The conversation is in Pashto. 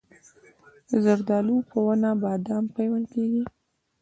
د زردالو په ونه بادام پیوند کیږي؟